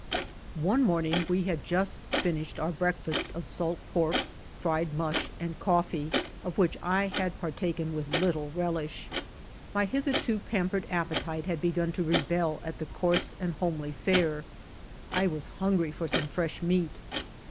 One morning we had just finished our breakfast of salt pork, fried musli and coffee, of which I had partaken with little relish. My hitherto pampered appetite had begun to rebel at the coarse and homely fare. I was hungry for some fresh meat.